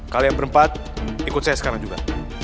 kalian berempat ikut saya sekarang juga